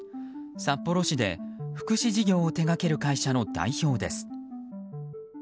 札幌市で福祉事業を手掛ける会社の代表です。